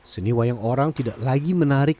seni wayang orang tidak lagi menarik